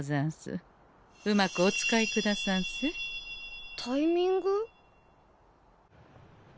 うまくお使いくださんせ。タイミング？